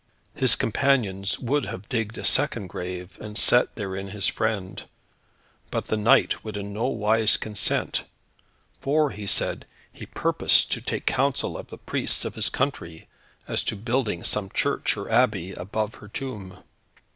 His companions would have digged a second grave, and set therein, his friend; but the knight would in no wise consent, for he said he purposed to take counsel of the priests of his country, as to building some church or abbey above her tomb.